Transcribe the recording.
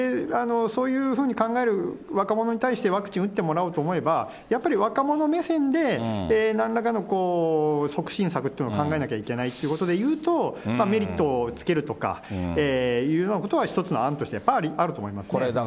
そういうふうに考える若者に対してワクチン打ってもらおうと思えば、やっぱり若者目線で、なんらかの促進策っていうのを考えなきゃいけないってことで言うと、メリットをつけるとかいうようなことは、一つの案としてかなりあると思いますね。